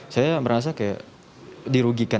saya merasa kayak dirugikan